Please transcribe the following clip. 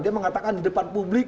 dia mengatakan di depan publik